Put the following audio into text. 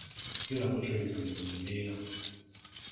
Beerako ky'oyiga mu buli mbeera.